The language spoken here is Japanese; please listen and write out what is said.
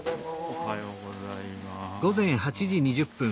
おはようございます。